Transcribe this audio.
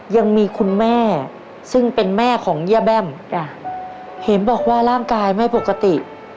ยังมีคุณแม่ซึ่งเป็นแม่ของเยี่แบ้มจ้ะเห็นบอกว่าร่างกายไม่ปกติ